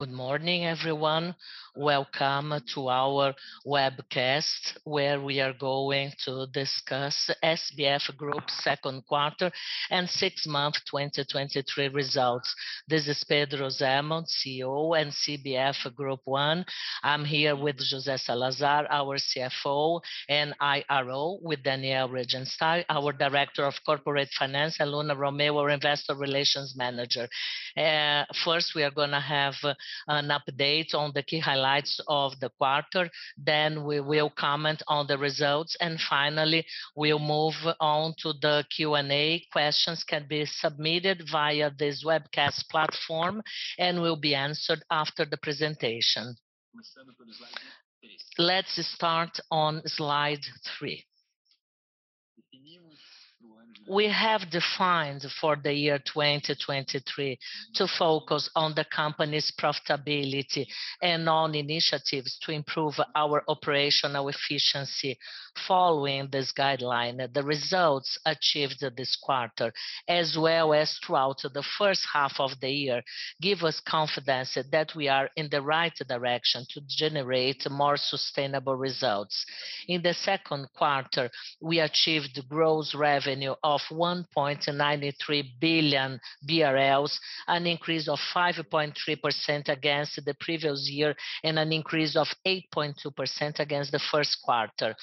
Good morning, everyone. Welcome to our webcast, where we are going to discuss Grupo SBF's second quarter and six month 2023 results. This is Pedro Zemel, CEO, Grupo SBF. I'm here with José Salazar, our CFO and IRO, with Daniel Regenstein, our Director of Corporate Finance, and Luna Romeu, our Investor Relations Manager. First, we are gonna have an update on the key highlights of the quarter, then we will comment on the results, and finally, we'll move on to the Q&A. Questions can be submitted via this webcast platform and will be answered after the presentation. Let's start on Slide three. We have defined for the year 2023 to focus on the company's profitability and on initiatives to improve our operational efficiency. Following this guideline, the results achieved this quarter, as well as throughout the first half of the year, give us confidence that we are in the right direction to generate more sustainable results. In the second quarter, we achieved gross revenue of 1.93 billion BRL, an increase of 5.3% against the previous year, and an increase of 8.2% against the first quarter.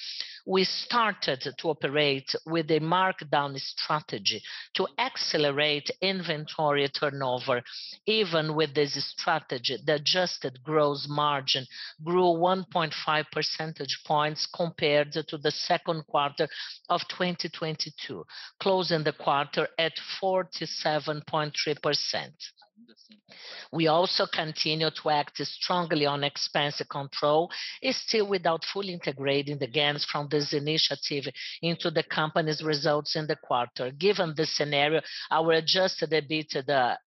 We started to operate with a markdown strategy to accelerate inventory turnover. Even with this strategy, the adjusted gross margin grew 1.5 percentage points compared to the second quarter of 2022, closing the quarter at 47.3%. We also continue to act strongly on expense control, still without fully integrating the gains from this initiative into the company's results in the quarter. Given this scenario, our Adjusted EBITDA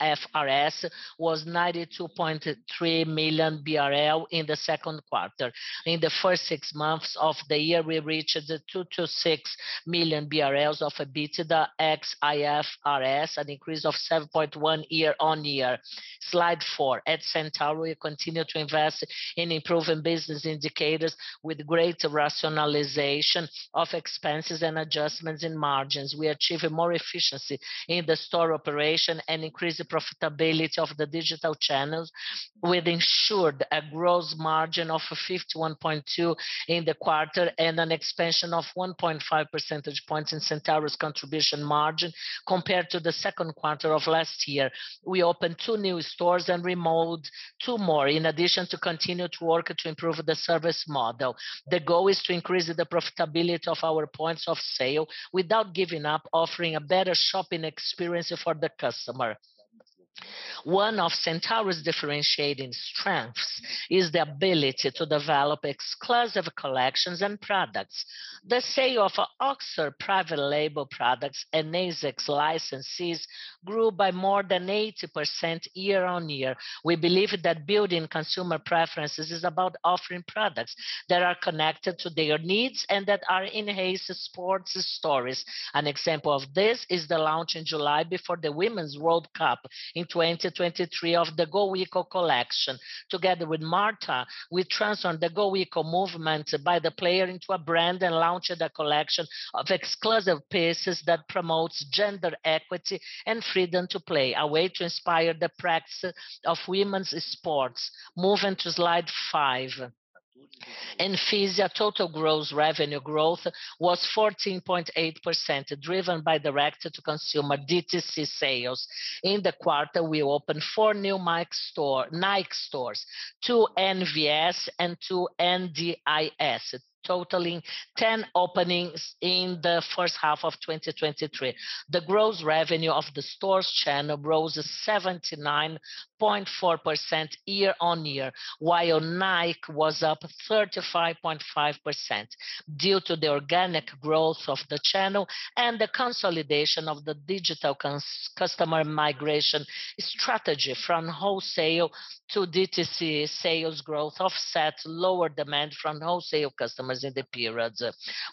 IFRS was 92.3 million BRL in the second quarter. In the first six months of the year, we reached 206 million BRL of EBITDA ex-IFRS, an increase of 7.1% year-over-year. Slide four. At Centauro, we continue to invest in improving business indicators with greater rationalization of expenses and adjustments in margins. We achieve more efficiency in the store operation and increase the profitability of the digital channels, which ensured a gross margin of 51.2% in the quarter, and an expansion of 1.5 percentage points in Centauro's contribution margin compared to the second quarter of last year. We opened two new stores and remodeled two more, in addition to continue to work to improve the service model. The goal is to increase the profitability of our points of sale without giving up offering a better shopping experience for the customer. One of Centauro's differentiating strengths is the ability to develop exclusive collections and products. The sale of OXER private label products and ASICS licenses grew by more than 80% year on year. We believe that building consumer preferences is about offering products that are connected to their needs and that are in ASICS sports stores. An example of this is the launch in July before the Women's World Cup in 2023 of the Go Eco collection. Together with Marta, we transformed the Go Eco movement by the player into a brand, and launched a collection of exclusive pieces that promotes gender equity and freedom to play, a way to inspire the practice of women's sports. Moving to Slide five. In Fisia, total gross revenue growth was 14.8%, driven by direct to consumer DTC sales. In the quarter, we opened four new Nike stores, two NVS, and two NDIS, totaling 10 openings in the first half of 2023. The gross revenue of the stores channel rose 79.4% year-on-year, while Nike was up 35.5%. Due to the organic growth of the channel and the consolidation of the digital customer migration strategy from wholesale to DTC, sales growth offset lower demand from wholesale customers in the period.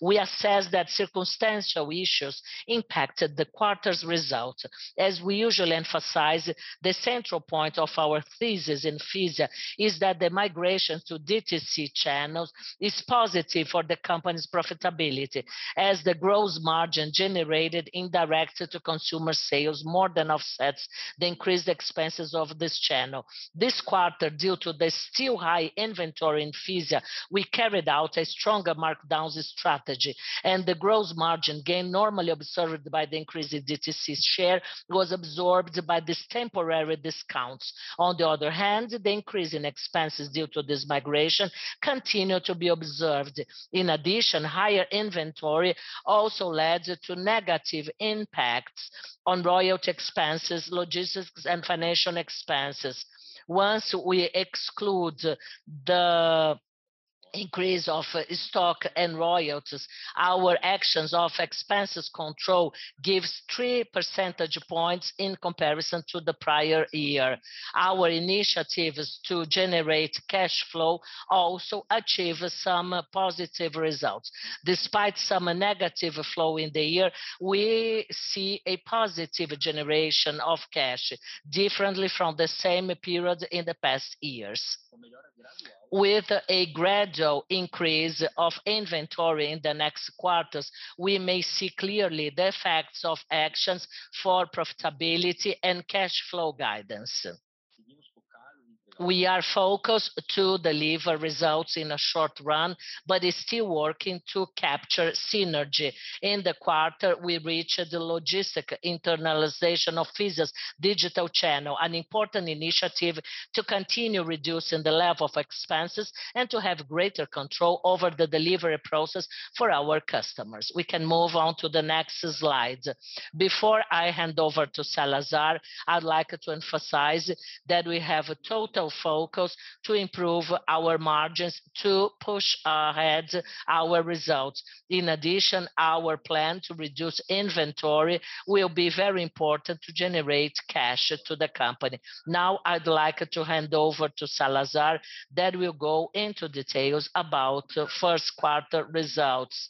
We assess that circumstantial issues impacted the quarter's results. As we usually emphasize, the central point of our thesis in Fisia is that the migration to DTC channels is positive for the company's profitability, as the gross margin generated in direct to consumer sales more than offsets the increased expenses of this channel. This quarter, due to the still high inventory in Fisia, we carried out a stronger markdown strategy, and the gross margin gain normally observed by the increase in DTC's share was absorbed by these temporary discounts. On the other hand, the increase in expenses due to this migration continued to be observed. In addition, higher inventory also led to negative impacts on royalty expenses, logistics, and financial expenses. Once we exclude the increase of stock and royalties, our actions of expenses control gives 3 percentage points in comparison to the prior year. Our initiatives to generate cash flow also achieve some positive results. Despite some negative flow in the year, we see a positive generation of cash, differently from the same period in the past years. With a gradual increase of inventory in the next quarters, we may see clearly the effects of actions for profitability and cash flow guidance. We are focused to deliver results in a short run, is still working to capture synergy. In the quarter, we reached the logistic internalization of Cia's digital channel, an important initiative to continue reducing the level of expenses and to have greater control over the delivery process for our customers. We can move on to the next slide. Before I hand over to Salazar, I'd like to emphasize that we have a total focus to improve our margins to push ahead our results. In addition, our plan to reduce inventory will be very important to generate cash to the company. Now, I'd like to hand over to Salazar, that will go into details about the first quarter results.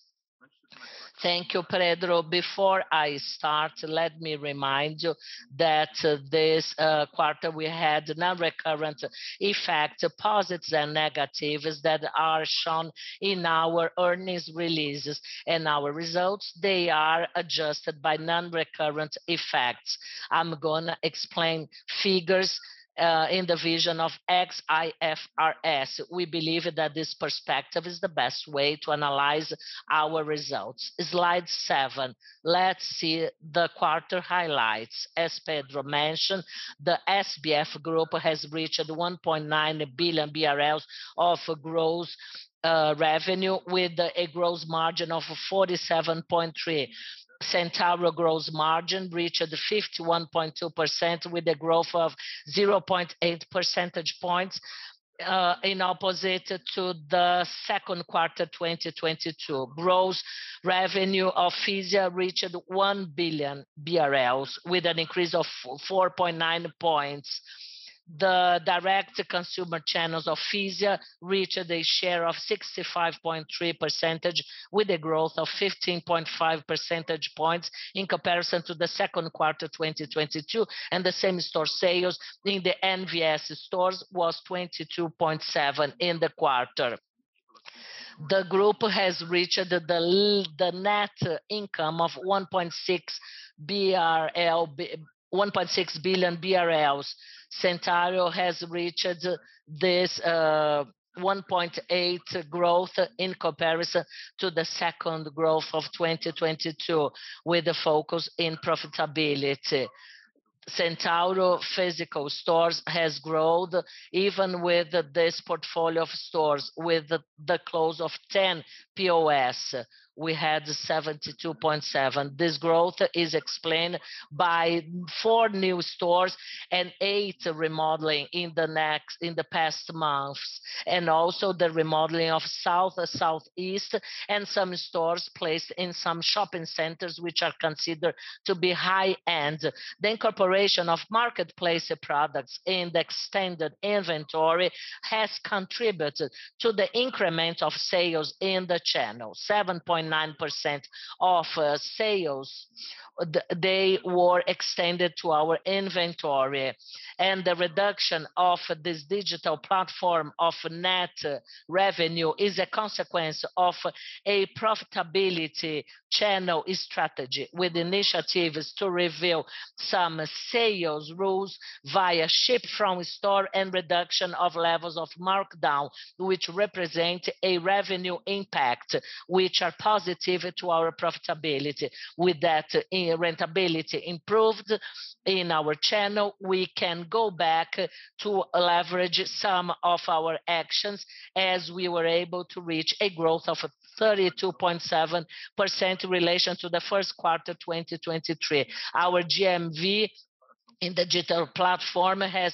Thank you, Pedro. Before I start, let me remind you that this quarter we had non-recurrent effect, positives and negatives, that are shown in our earnings releases and our results, they are adjusted by non-recurrent effects. I'm gonna explain figures in the vision of ex-IFRS. We believe that this perspective is the best way to analyze our results. Slide seven. Let's see the quarter highlights. As Pedro mentioned, the SBF Group has reached 1.9 billion BRL of gross revenue, with a gross margin of 47.3%. Centauro gross margin reached 51.2%, with a growth of 0.8 percentage points, in opposite to the second quarter, 2022. Gross revenue of Cia reached 1 billion BRL, with an increase of 4.9 points. The direct-to-consumer channels of Cia reached a share of 65.3%, with a growth of 15.5 percentage points in comparison to the 2Q 2022, and the same-store sales in the NVS stores was 22.7 in the quarter. The group has reached the net income of 1.6 billion BRL. Centauro has reached this 1.8 growth in comparison to the 2Q 2022, with a focus in profitability. Centauro physical stores has grown, even with this portfolio of stores, with the close of 10 POS, we had 72.7. This growth is explained by four new stores and eight remodeling in the past months. Also, the remodeling of South, Southeast, and some stores placed in some shopping centers, which are considered to be high-end. The incorporation of marketplace products in the extended inventory has contributed to the increment of sales in the channel. 7.9% of sales, they were extended to our inventory. The reduction of this digital platform of net revenue is a consequence of a profitability channel strategy, with initiatives to reveal some sales rules via ship from store and reduction of levels of markdown, which represent a revenue impact, which are positive to our profitability. With that, profitability improved in our channel, we can go back to leverage some of our actions, as we were able to reach a growth of 32.7% in relation to the first quarter, 2023. Our GMV in digital platform has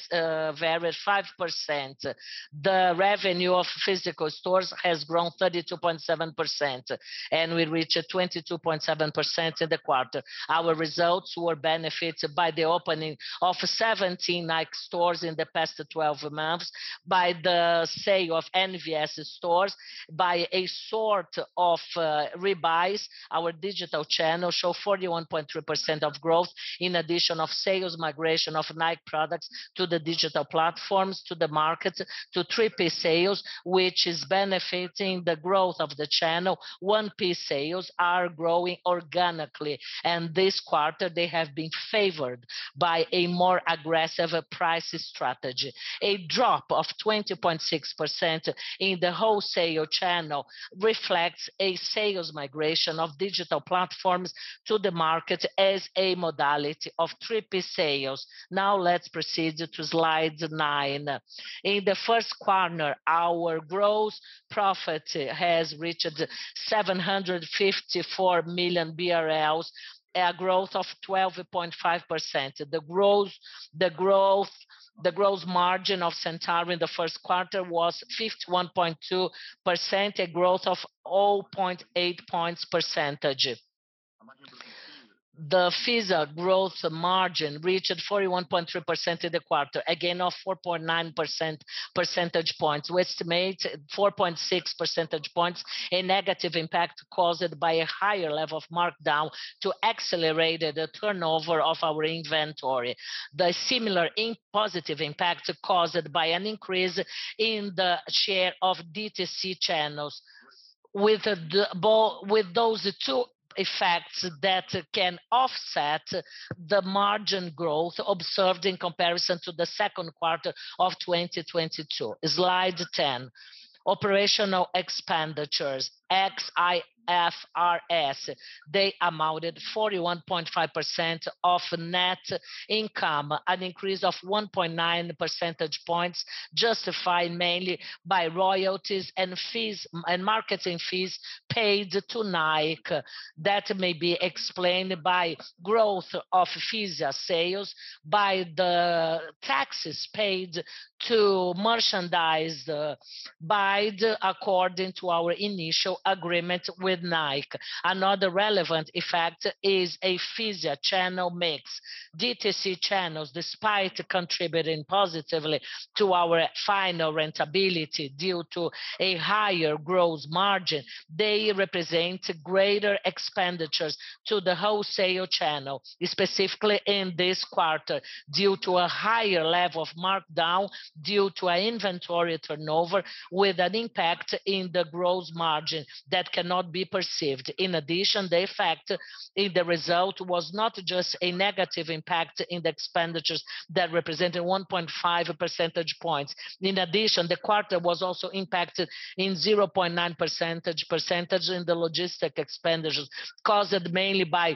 varied 5%. The revenue of physical stores has grown 32.7%, and we reached 22.7% in the quarter. Our results were benefited by the opening of 17 Nike stores in the past 12 months, by the sale of NVS stores, by a sort of rebuys. Our digital channel show 41.3% of growth, in addition of sales migration of Nike products to the digital platforms, to the market, to 3P sales, which is benefiting the growth of the channel. 1P sales are growing organically, and this quarter they have been favored by a more aggressive price strategy. A drop of 20.6% in the wholesale channel reflects a sales migration of digital platforms to the market as a modality of 3P sales. Let's proceed to slide nine. In the first quarter, our gross profit has reached 754 million BRL, a growth of 12.5%. The gross margin of Centauro in the first quarter was 51.2%, a growth of 0.8 percentage points. The Fisia gross margin reached 41.3% in the quarter, again, of 4.9 percentage points, we estimate 4.6 percentage points, a negative impact caused by a higher level of markdown to accelerate the turnover of our inventory. The similar in positive impact caused by an increase in the share of DTC channels. With those two effects that can offset the margin growth observed in comparison to the second quarter of 2022. Slide 10. Operational expenditures, ex-IFRS, they amounted 41.5% of net income, an increase of 1.9 percentage points, justified mainly by royalties and fees, and marketing fees paid to Nike. That may be explained by growth of Fisia sales, by the taxes paid to merchandise, by the according to our initial agreement with Nike. Another relevant effect is a Fisia channel mix. DTC channels, despite contributing positively to our final profitability due to a higher gross margin, they represent greater expenditures to the wholesale channel, specifically in this quarter, due to a higher level of markdown, due to an inventory turnover, with an impact in the gross margin that cannot be perceived. The effect in the result was not just a negative impact in the expenditures that represented 1.5 percentage points. The quarter was also impacted in 0.9% in the logistic expenditures, caused mainly by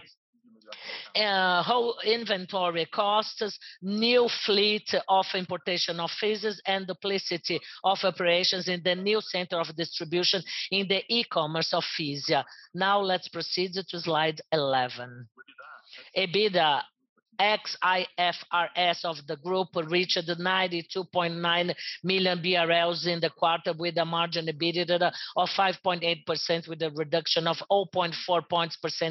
whole inventory costs, new fleet of importation of Fisia, and duplicity of operations in the new center of distribution in the e-commerce of Fisia. Let's proceed to slide 11. EBITDA, ex-IFRS of the group, reached 92.9 million BRL in the quarter, with a margin EBITDA of 5.8%, with a reduction of 0.4 percentage points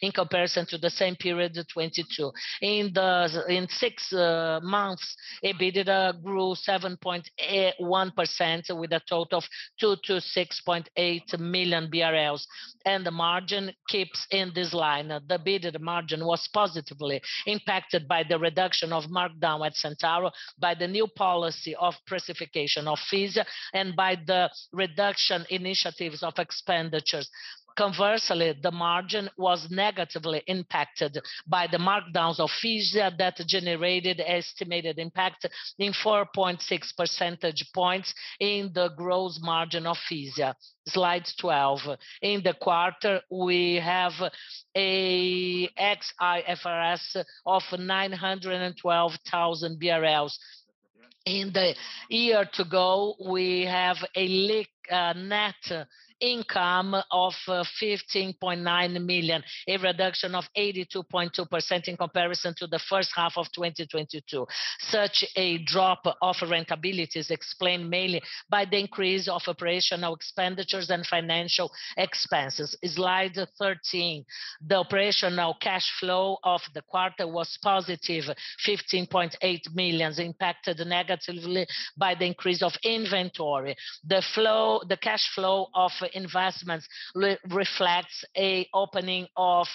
in comparison to the same period of 2022. In six months, EBITDA grew 7.1%, with a total of 206.8 million BRL, and the margin keeps in this line. The EBITDA margin was positively impacted by the reduction of markdown at Centauro, by the new policy of pricification of Fisia, and by the reduction initiatives of expenditures. Conversely, the margin was negatively impacted by the markdowns of Fisia that generated estimated impact in 4.6 percentage points in the gross margin of Fisia. Slide 12. In the quarter, we have a ex-IFRS of 912,000 BRL. In the year to go, we have a net income of 15.9 million, a reduction of 82.2% in comparison to the first half of 2022. Such a drop of profitabilities explained mainly by the increase of operational expenditures and financial expenses. Slide 13. The operational cash flow of the quarter was positive, 15.8 million, impacted negatively by the increase of inventory. The cash flow of investments reflects a opening of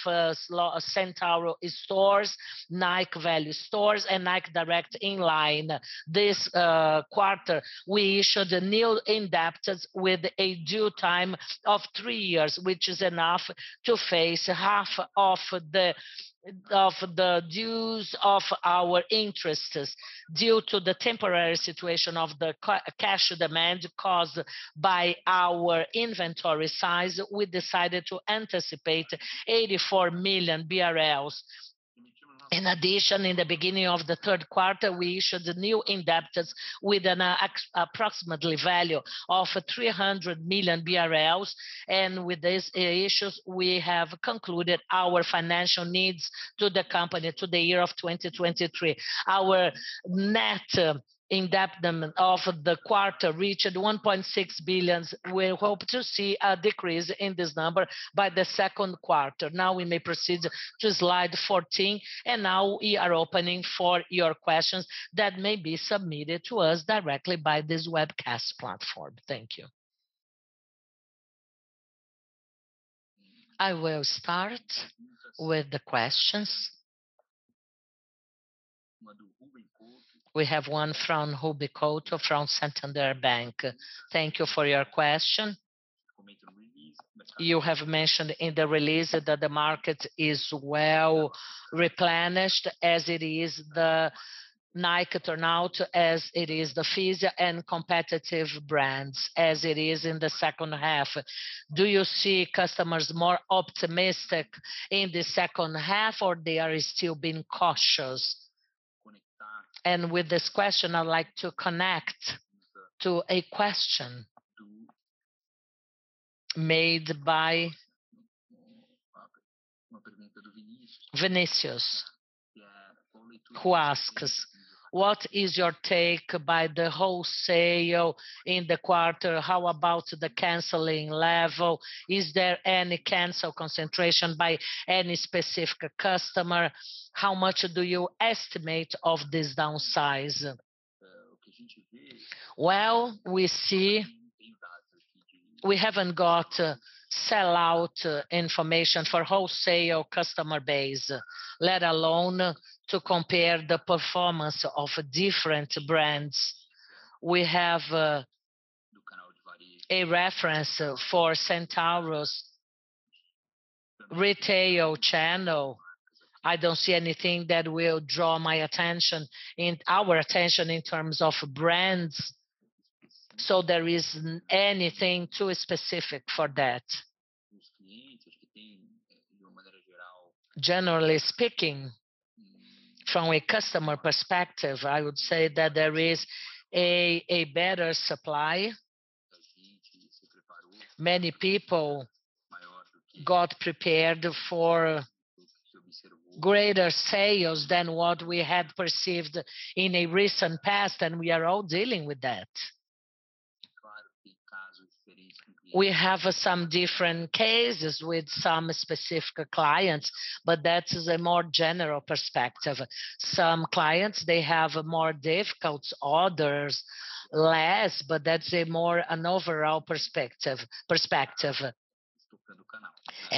Centauro stores, Nike Value Stores, and Nike Direct Inline. This quarter, we issued a new indebtness with a due time of three years, which is enough to face half of the dues of our interests. Due to the temporary situation of the cash demand caused by our inventory size, we decided to anticipate 84 million BRL. In addition, in the beginning of the third quarter, we issued new indebtedness with an approximately value of 300 million BRL, and with these issues, we have concluded our financial needs to the company to the year of 2023. Our net indebtedness of the quarter reached 1.6 billion. We hope to see a decrease in this number by the second quarter. Now, we may proceed to slide 14. Now we are opening for your questions that may be submitted to us directly by this webcast platform. Thank you. I will start with the questions. We have one from Ruben Couto from Banco Santander. Thank you for your question. You have mentioned in the release that the market is well replenished as it is the Nike turnout, as it is the Fisia and competitive brands as it is in the second half. Do you see customers more optimistic in the second half, or they are still being cautious? With this question, I'd like to connect to a question made by Vinicius. who asks: What is your take by the wholesale in the quarter? How about the canceling level? Is there any cancel concentration by any specific customer? How much do you estimate of this downsize? Well, we see we haven't got sellout information for wholesale customer base, let alone to compare the performance of different brands. We have a reference for Centauro's retail channel. I don't see anything that will draw my attention, in our attention in terms of brands, so there isn't anything too specific for that. Generally speaking, from a customer perspective, I would say that there is a better supply. Many people got prepared for greater sales than what we had perceived in a recent past, and we are all dealing with that. We have some different cases with some specific clients, but that is a more general perspective. Some clients, they have more difficult, others less, but that's a more... an overall perspective.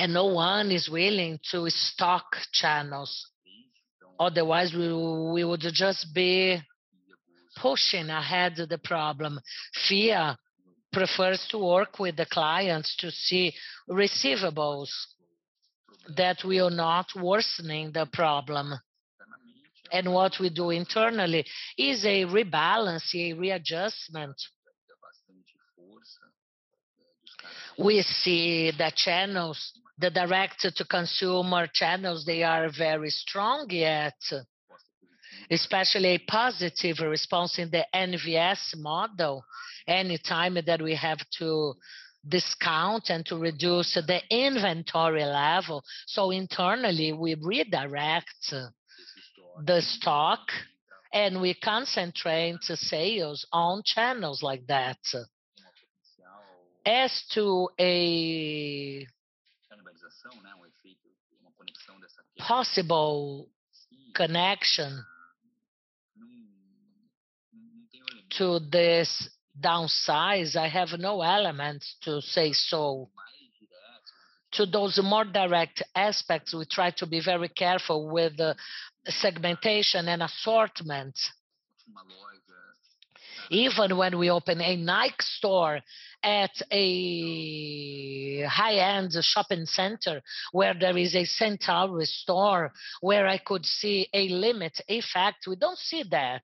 No one is willing to stock channels, otherwise we would just be pushing ahead the problem. Fisia prefers to work with the clients to see receivables that we are not worsening the problem. What we do internally is a rebalance, a readjustment. We see the channels, the direct-to-consumer channels, they are very strong, yet especially positive response in the NVS model, any time that we have to discount and to reduce the inventory level. Internally, we redirect the stock, and we concentrate sales on channels like that. As to a possible connection to this downsize, I have no elements to say so. To those more direct aspects, we try to be very careful with the segmentation and assortment. Even when we open a Nike store at a high-end shopping center, where there is a Centauro store, where I could see a limit, in fact, we don't see that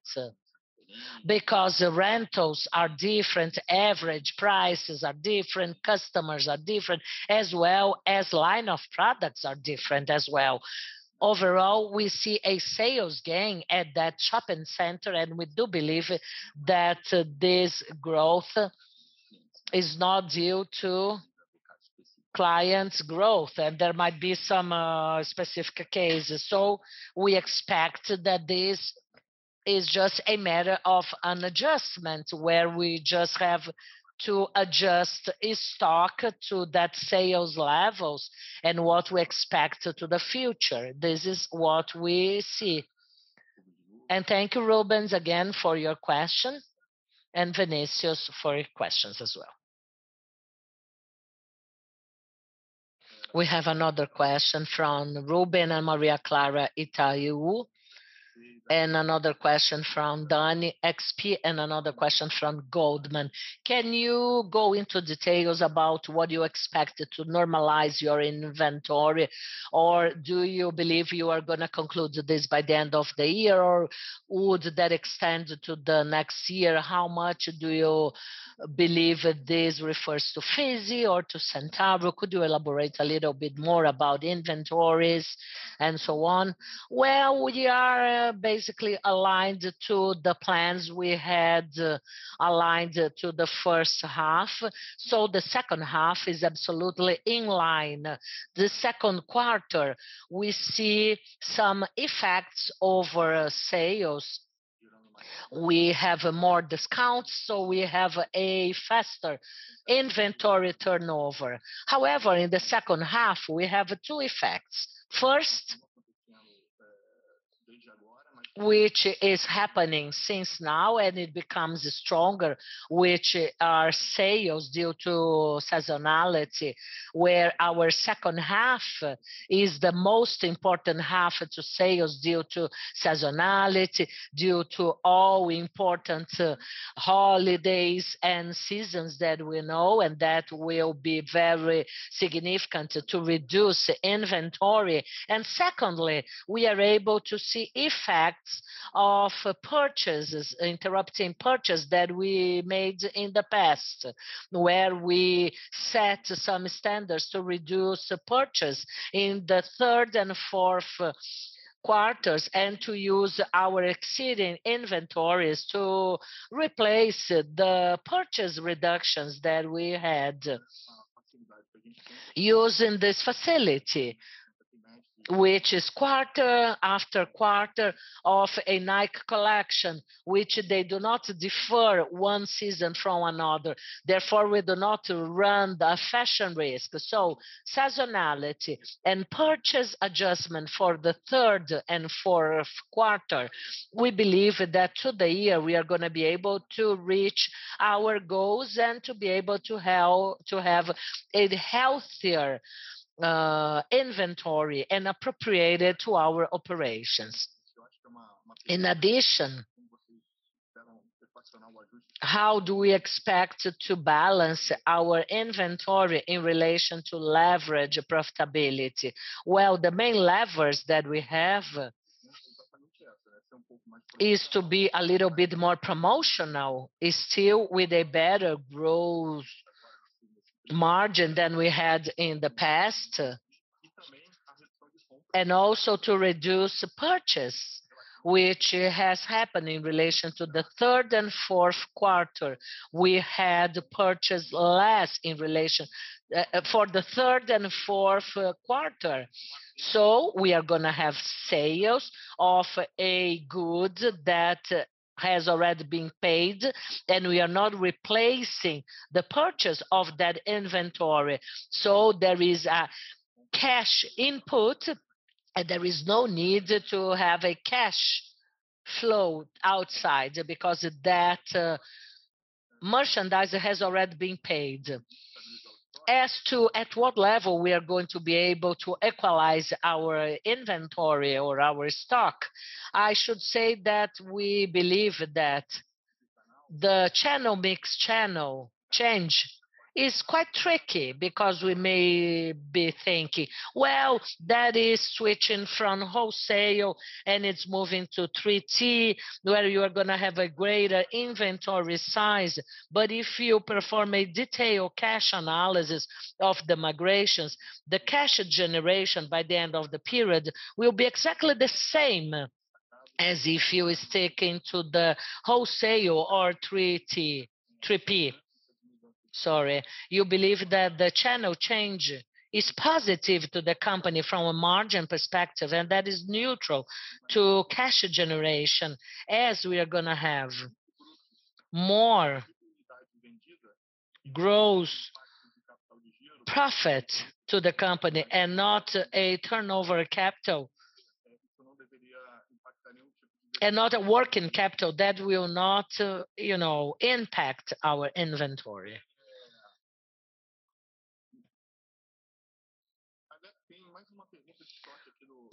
because the rentals are different, average prices are different, customers are different, as well as line of products are different as well. Overall, we see a sales gain at that shopping center, and we do believe that this growth is not due to clients' growth, and there might be some specific cases. We expect that this is just a matter of an adjustment, where we just have to adjust a stock to that sales levels and what we expect to the future. This is what we see. Thank you, Rubens, again, for your question, and Vinicius, for your questions as well. We have another question from Ruben and Maria Clara, Itaú, and another question from Danny, XP, and another question from Goldman. Can you go into details about what you expected to normalize your inventory, or do you believe you are going to conclude this by the end of the year, or would that extend to the next year? How much do you believe this refers to Fisia or to Centauro? Could you elaborate a little bit more about inventories and so on? Well, we are basically aligned to the plans we had aligned to the first half. The second half is absolutely in line. The second quarter, we see some effects over sales. We have more discounts. We have a faster inventory turnover. However, in the second half, we have two effects. First, which is happening since now, and it becomes stronger, which are sales due to seasonality, where our second half is the most important half to sales due to seasonality, due to all important holidays and seasons that we know, and that will be very significant to reduce inventory. Secondly, we are able to see effects of purchases, interrupting purchase that we made in the past, where we set some standards to reduce the purchase in the third and fourth quarters, and to use our exceeding inventories to replace the purchase reductions that we had. Using this facility, which is quarter after quarter of a Nike collection, which they do not defer one season from another, therefore, we do not run the fashion risk. Seasonality and purchase adjustment for the third and fourth quarter, we believe that through the year we are gonna be able to reach our goals and to be able to help to have a healthier inventory and appropriate it to our operations. In addition, how do we expect to balance our inventory in relation to leverage profitability? Well, the main levers that we have is to be a little bit more promotional, is still with a better growth margin than we had in the past, and also to reduce purchase, which has happened in relation to the third and fourth quarter. We had purchased less in relation for the third and fourth quarter. We are gonna have sales of a good that has already been paid, and we are not replacing the purchase of that inventory. There is a cash input, and there is no need to have a cash flow outside, because that merchandise has already been paid. As to at what level we are going to be able to equalize our inventory or our stock, I should say that we believe that the mix channel change is quite tricky, because we may be thinking: "Well, that is switching from wholesale and it's moving to 3P, where you are gonna have a greater inventory size." If you perform a detailed cash analysis of the migrations, the cash generation by the end of the period will be exactly the same as if you is taking to the wholesale or 3P, sorry. You believe that the channel change is positive to the company from a margin perspective, and that is neutral to cash generation, as we are gonna have more gross profit to the company and not a turnover capital. Not a working capital that will not, you know, impact our inventory.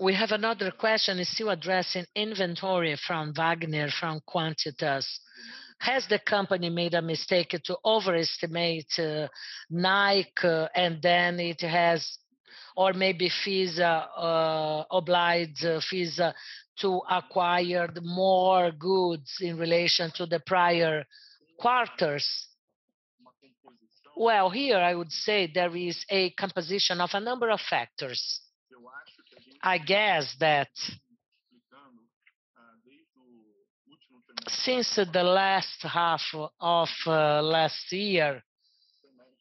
We have another question, it's still addressing inventory from Wagner, from Quantitas: Has the company made a mistake to overestimate Nike, and then or maybe Fisia obliged Fisia to acquire the more goods in relation to the prior quarters? Well, here I would say there is a composition of a number of factors. I guess that since the last half of last year,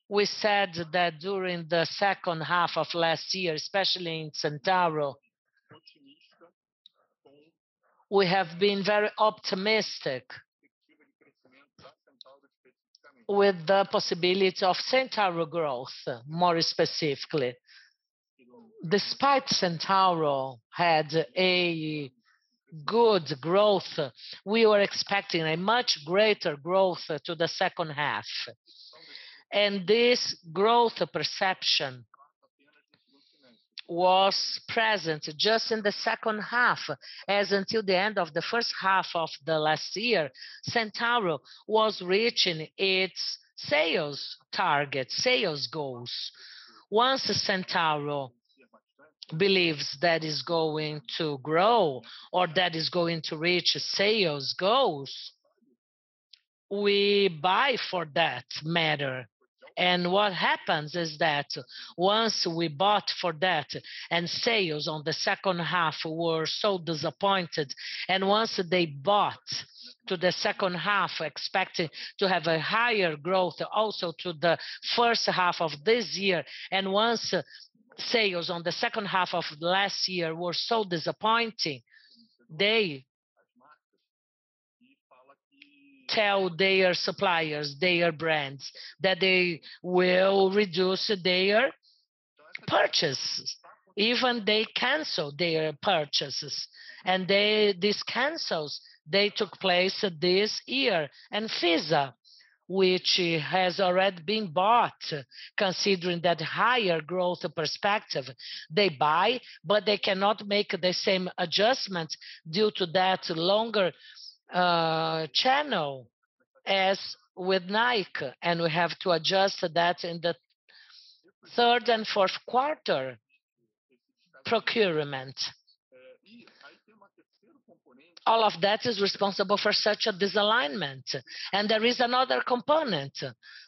we said that during the second half of last year, especially in Centauro, we have been very optimistic with the possibility of Centauro growth, more specifically. Despite Centauro had a good growth, we were expecting a much greater growth to the second half. This growth perception was present just in the second half, as until the end of the first half of the last year, Centauro was reaching its sales target, sales goals. Once the Centauro believes that is going to grow or that is going to reach sales goals, we buy for that matter. What happens is that once we bought for that, and sales on the second half were so disappointed, and once they bought to the second half, expecting to have a higher growth also to the first half of this year, and once sales on the second half of last year were so disappointing, they tell their suppliers, their brands, that they will reduce their purchases. Even they cancel their purchases, and they-- these cancels, they took place this year. Fisia, which has already been bought, considering that higher growth perspective, they buy, but they cannot make the same adjustment due to that longer channel as with Nike, and we have to adjust that in the third and fourth quarter procurement. All of that is responsible for such a disalignment. There is another component,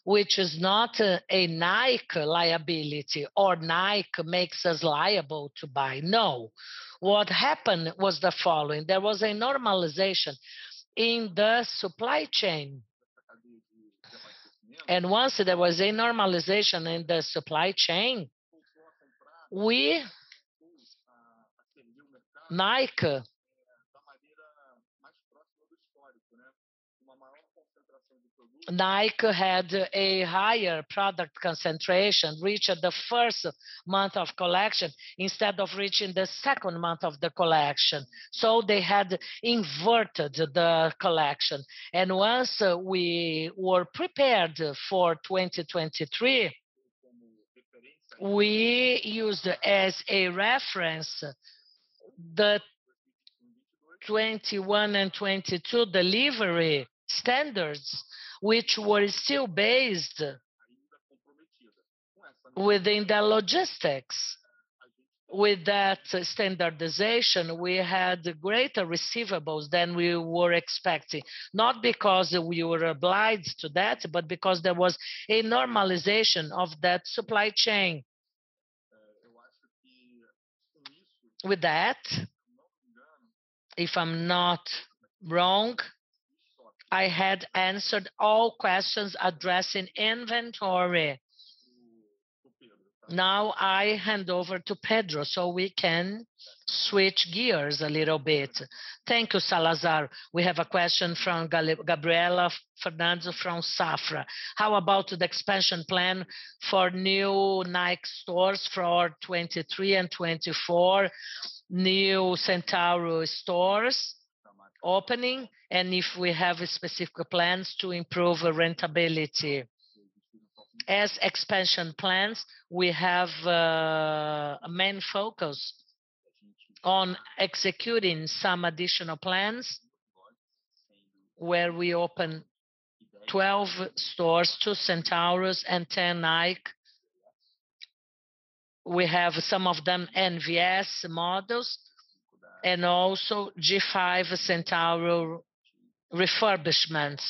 which is not a Nike liability or Nike makes us liable to buy. No. What happened was the following: There was a normalization in the supply chain. Once there was a normalization in the supply chain, we, Nike, Nike had a higher product concentration, which at the first month of collection, instead of reaching the second month of the collection. They had inverted the collection. Once we were prepared for 2023, we used as a reference the 21 and 22 delivery standards, which were still based within the logistics. With that standardization, we had greater receivables than we were expecting, not because we were obliged to that, but because there was a normalization of that supply chain. With that, if I'm not wrong, I had answered all questions addressing inventory. Now, I hand over to Pedro, so we can switch gears a little bit. Thank you, Salazar. We have a question from Gabriela Fernandes from Safra. How about the expansion plan for new Nike stores for 2023 and 2024, new Centauro stores opening, and if we have specific plans to improve the profitability? As expansion plans, we have a main focus on executing some additional plans, where we open 12 stores, two Centauros, and 10 Nike. We have some of them NVS models, and also G5 Centauro refurbishments.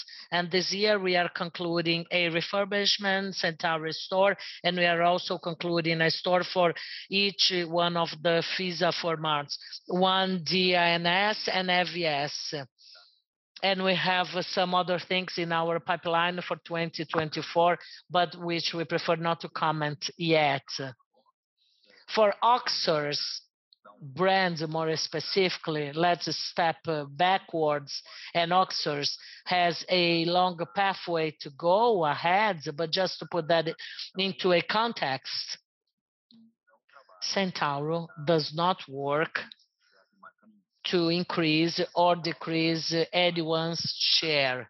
This year we are concluding a refurbishment Centauro store, and we are also concluding a store for each one of the Fisia formats, one DINS and NVS. We have some other things in our pipeline for 2024, but which we prefer not to comment yet. For OXER's brands, more specifically, let's step backwards, and OXER's has a longer pathway to go ahead, but just to put that into a context, Centauro does not work to increase or decrease anyone's share.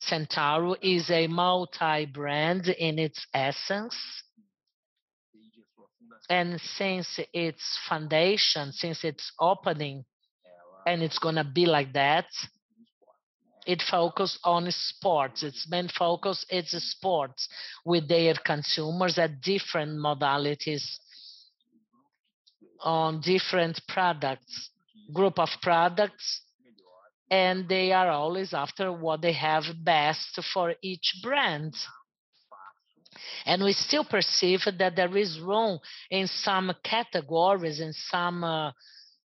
Centauro is a multi-brand in its essence, and since its foundation, since its opening, and it's gonna be like that, it focus on sports. Its main focus is sports, with their consumers at different modalities on different products, group of products, and they are always after what they have best for each brand. We still perceive that there is room in some categories, in some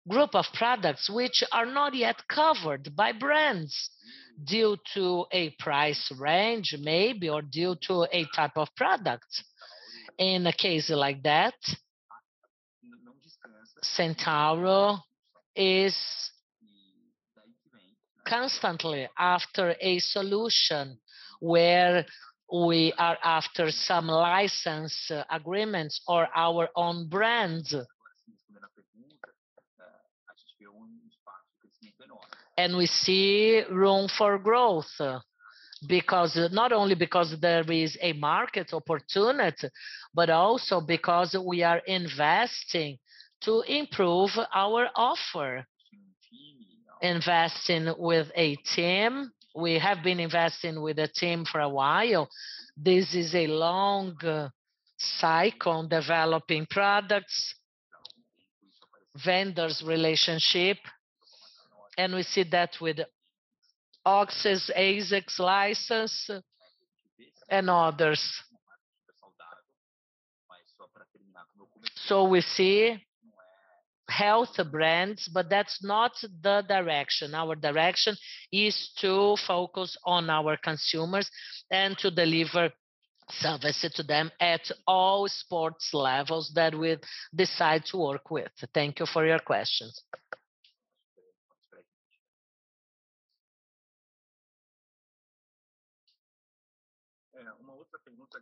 group of products, which are not yet covered by brands due to a price range, maybe, or due to a type of product. In a case like that, Centauro is constantly after a solution where we are after some license agreements or our own brand. We see room for growth because-- not only because there is a market opportunity, but also because we are investing to improve our offer. Investing with a team, we have been investing with a team for a while. This is a long cycle, developing products, vendors' relationship, and we see that with OXER's, ASICS license, and others. We see health brands, but that's not the direction. Our direction is to focus on our consumers and to deliver service to them at all sports levels that we decide to work with. Thank you for your questions.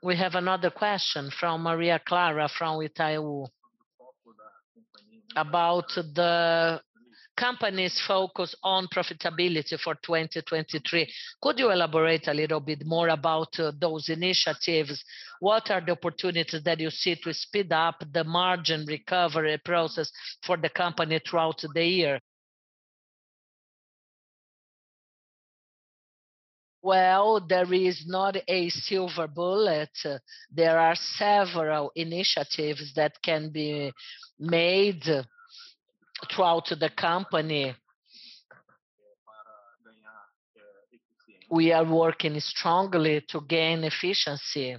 We have another question from Maria Clara, Itaú, about the company's focus on profitability for 2023. Could you elaborate a little bit more about those initiatives? What are the opportunities that you see to speed up the margin recovery process for the company throughout the year? Well, there is not a silver bullet. There are several initiatives that can be made throughout the company. We are working strongly to gain efficiency....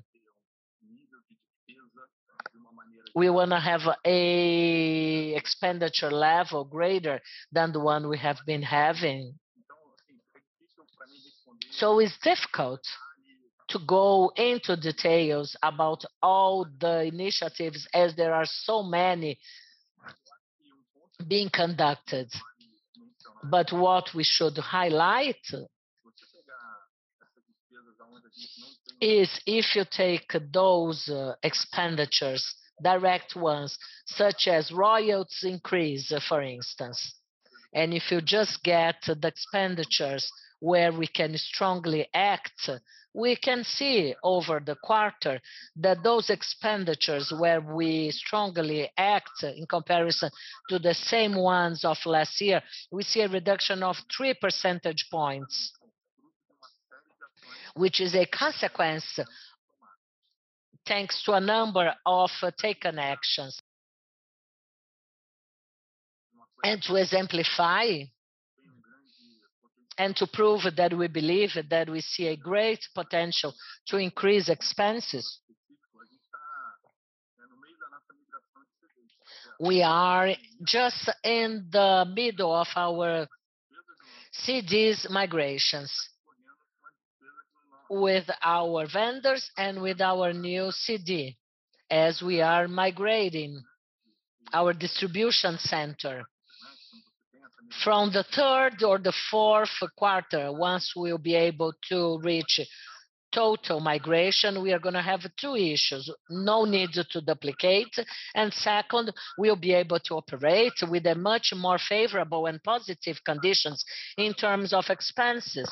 we wanna have a expenditure level greater than the one we have been having. It's difficult to go into details about all the initiatives, as there are so many being conducted. What we should highlight, is if you take those expenditures, direct ones, such as royalties increase, for instance, and if you just get the expenditures where we can strongly act, we can see over the quarter that those expenditures where we strongly act in comparison to the same ones of last year, we see a reduction of 3 percentage points, which is a consequence, thanks to a number of taken actions. To exemplify, and to prove that we believe that we see a great potential to increase expenses, we are just in the middle of our CDs migrations with our vendors and with our new CD, as we are migrating our distribution center. From the third or the fourth quarter, once we'll be able to reach total migration, we are gonna have two issues: no need to duplicate, and second, we'll be able to operate with a much more favorable and positive conditions in terms of expenses.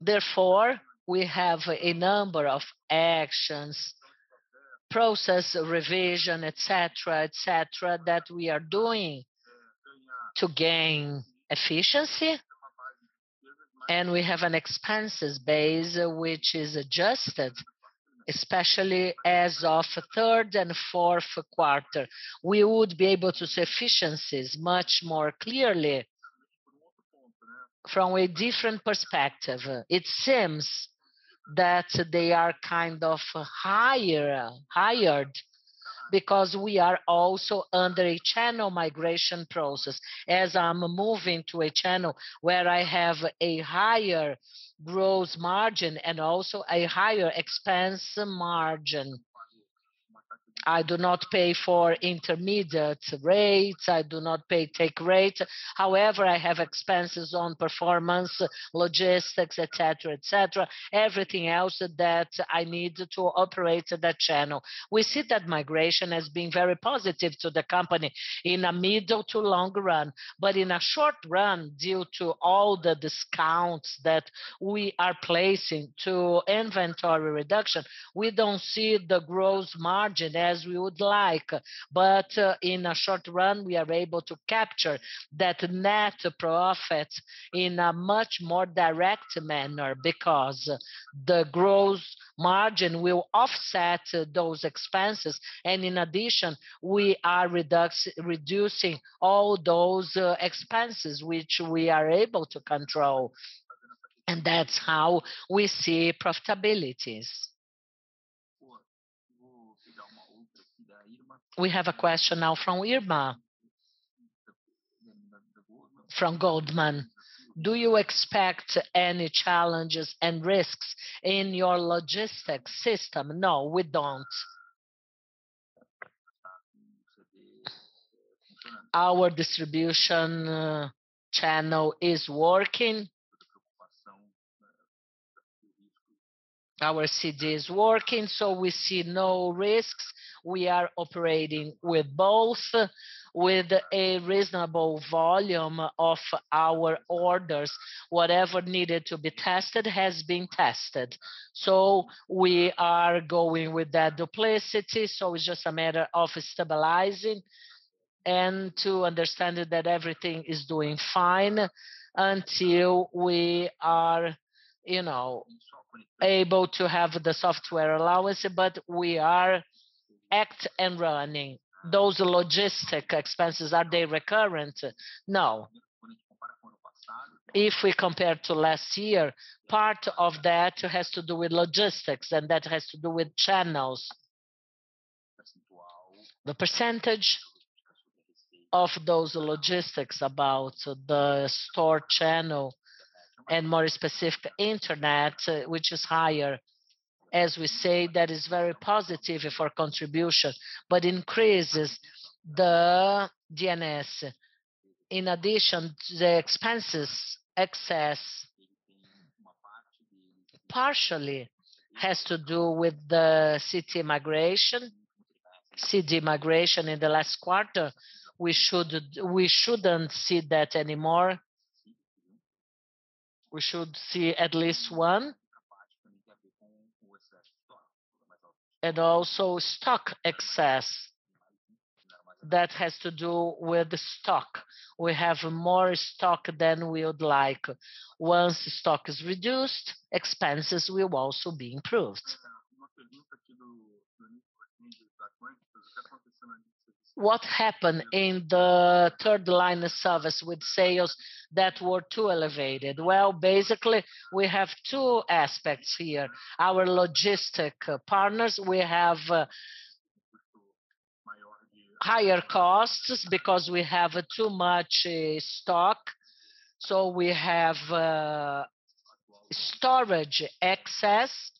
Therefore, we have a number of actions, process revision, et cetera, et cetera, that we are doing to gain efficiency, and we have an expenses base which is adjusted, especially as of third and fourth quarter. We would be able to see efficiencies much more clearly. From a different perspective, it seems that they are kind of higher, highered, because we are also under a channel migration process. As I'm moving to a channel where I have a higher gross margin and also a higher expense margin, I do not pay for intermediate rates, I do not pay take rates. I have expenses on performance, logistics, et cetera, et cetera, everything else that I need to operate that channel. We see that migration as being very positive to the company in a middle to long run, but in a short run, due to all the discounts that we are placing to inventory reduction, we don't see the gross margin as we would like. In a short run, we are able to capture that net profit in a much more direct manner, because the gross margin will offset those expenses. In addition, we are reducing all those expenses which we are able to control, and that's how we see profitabilities. We have a question now from Irma, from Goldman Sachs: Do you expect any challenges and risks in your logistics system? No, we don't. Our distribution channel is working. Our CD is working, so we see no risks. We are operating with both, with a reasonable volume of our orders. Whatever needed to be tested has been tested. We are going with that duplicity, so it's just a matter of stabilizing and to understand that everything is doing fine until we are, you know, able to have the software allowance, but we are act and running. Those logistic expenses, are they recurrent? No. If we compare to last year, part of that has to do with logistics, and that has to do with channels. The percentage of those logistics about the store channel, and more specific, internet, which is higher, as we say, that is very positive for contribution, but increases the DNS. In addition, the expenses excess partially has to do with the city migration, CD migration in the last quarter. We shouldn't see that anymore. We should see at least one. Also stock excess, that has to do with the stock. We have more stock than we would like. Once the stock is reduced, expenses will also be improved. What happened in the third line of service with sales that were too elevated? Well, basically, we have two aspects here. Our logistic partners, we have higher costs because we have too much stock, so we have storage excess.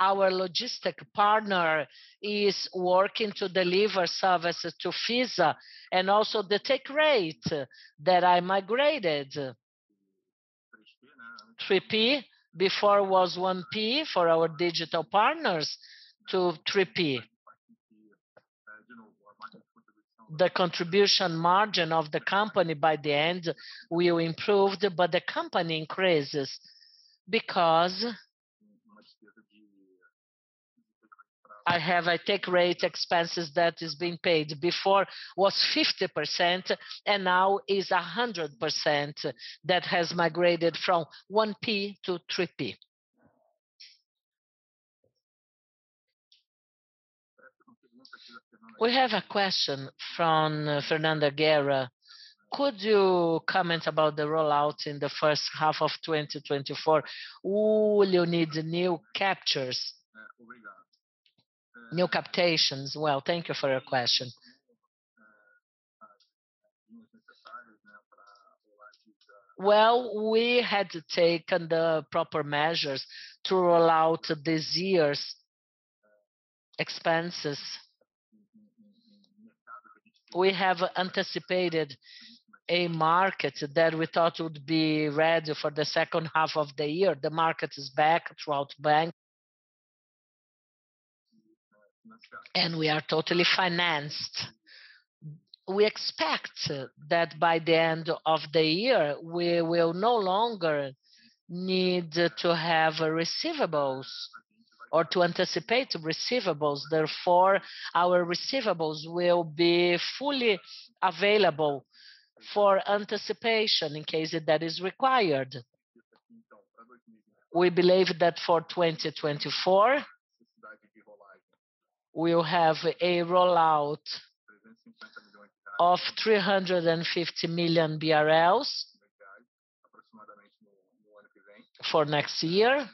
Our logistic partner is working to deliver services to Fisia and also the take rate that I migrated. 3P, before was 1P for our digital partners, to 3P. The contribution margin of the company by the end will improve, the company increases because I have a take rate expenses that is being paid. Before was 50%, and now is 100% that has migrated from 1P to 3P. We have a question from Fernando Guerra. Could you comment about the rollout in the first half of 2024? Will you need new captures, new captations? Well, thank you for your question. Well, we had to take the proper measures to roll out this year's expenses. We have anticipated a market that we thought would be ready for the second half of the year. The market is back throughout Bank, and we are totally financed. We expect that by the end of the year, we will no longer need to have a receivables or to anticipate receivables. Therefore, our receivables will be fully available for anticipation in case that is required. We believe that for 2024, we'll have a rollout of BRL 350 million for next year.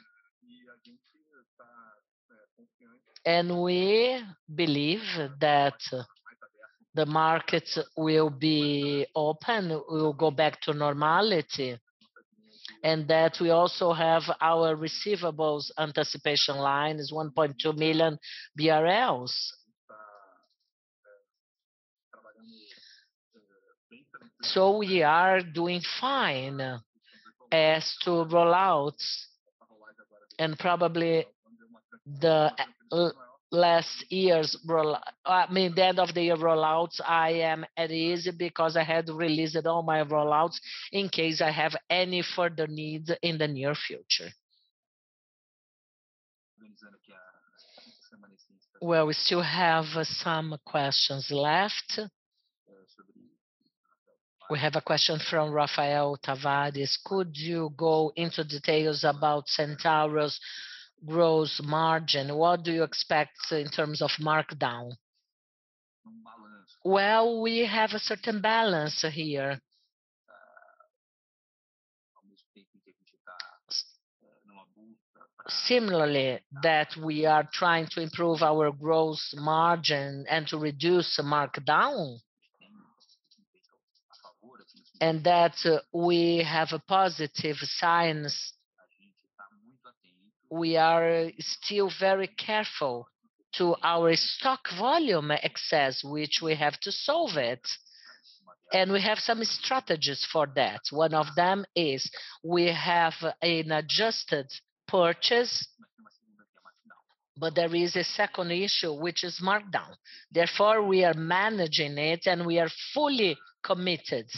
We believe that the market will be open, will go back to normality, and that we also have our receivables anticipation line is 1.2 million BRL. We are doing fine as to rollouts, and probably the last year's I mean, the end of the year rollouts, I am at ease because I had released all my rollouts in case I have any further needs in the near future. Well, we still have some questions left. We have a question from Rafael Tavares: Could you go into details about Centauro's gross margin? What do you expect in terms of markdown? Well, we have a certain balance here. Similarly, that we are trying to improve our gross margin and to reduce the markdown, and that we have a positive signs. We are still very careful to our stock volume excess, which we have to solve it, and we have some strategies for that. One of them is we have an adjusted purchase, but there is a second issue, which is markdown. Therefore, we are managing it, and we are fully committed,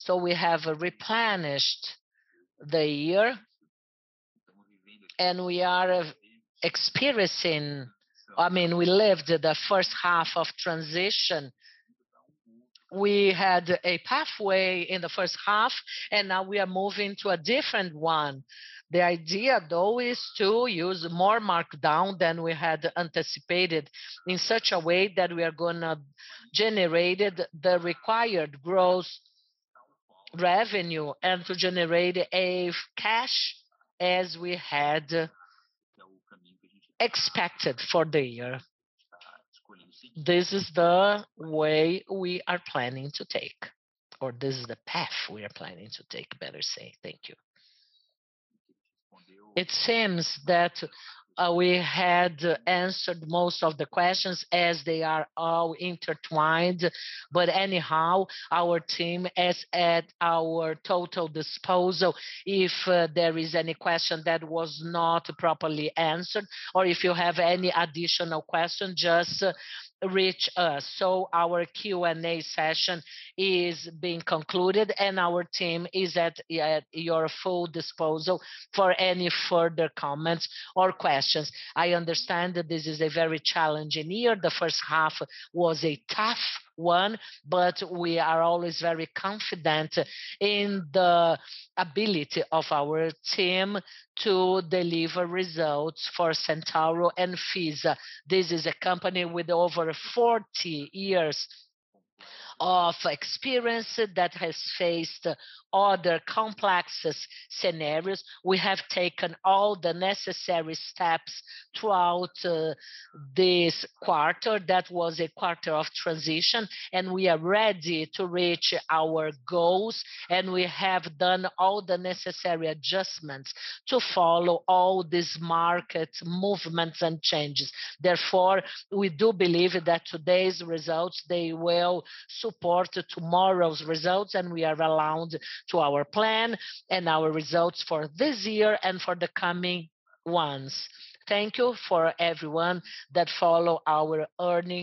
and we are willing to generate cash. We have replenished the year, and we are experiencing, I mean, we lived the first half of transition. We had a pathway in the first half, and now we are moving to a different one. The idea, though, is to use more markdown than we had anticipated in such a way that we are gonna generated the required gross revenue and to generate a cash as we had expected for the year. This is the way we are planning to take, or this is the path we are planning to take, better say. Thank you. It seems that we had answered most of the questions as they are all intertwined. Anyhow, our team is at our total disposal. If there is any question that was not properly answered or if you have any additional question, just reach us. Our Q&A session is being concluded, and our team is at your full disposal for any further comments or questions. I understand that this is a very challenging year. The first half was a tough one. We are always very confident in the ability of our team to deliver results for Centauro and Fisia. This is a company with over 40 years of experience that has faced other complex scenarios. We have taken all the necessary steps throughout this quarter. That was a quarter of transition, and we are ready to reach our goals, and we have done all the necessary adjustments to follow all these market movements and changes. We do believe that today's results, they will support tomorrow's results, and we are allowed to our plan and our results for this year and for the coming ones. Thank you for everyone that follow our earnings.